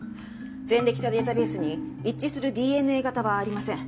前歴者データベースに一致するＤＮＡ型はありません。